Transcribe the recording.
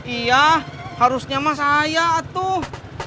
iya harusnya mas saya tuh